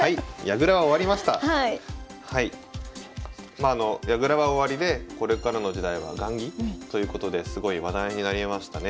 まああの矢倉は終わりでこれからの時代は雁木ということですごい話題になりましたね。